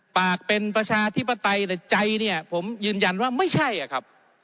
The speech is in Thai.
ปากเป็นประชาธิปไตยในใจผมยืนยันว่าไม่ใช่ครับ